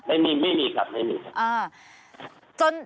ไม่มีครับไม่มีครับ